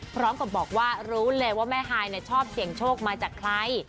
พร้อมกับบอกว่ารู้เลยว่าแม่ฮายชอบเสี่ยงโชคมาจากใคร